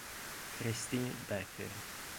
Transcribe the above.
Christine Becker